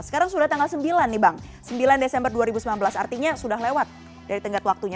sekarang sudah tanggal sembilan nih bang sembilan desember dua ribu sembilan belas artinya sudah lewat dari tenggat waktunya